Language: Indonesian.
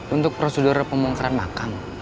untuk prosedur pemongkaran makam